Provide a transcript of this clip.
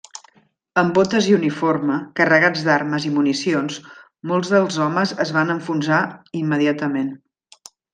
Amb botes i uniforme, carregats d'armes i municions, molts dels homes es va enfonsar immediatament.